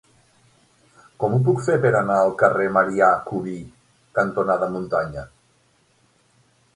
Com ho puc fer per anar al carrer Marià Cubí cantonada Muntanya?